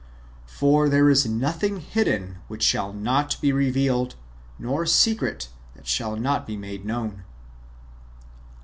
" For there is nothing hidden which shall not be revealed, nor secret that shall not be made known."